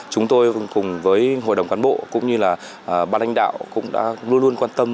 chúng tôi cùng với hội đồng cán bộ cũng như là ban đánh đạo cũng đã luôn luôn quan tâm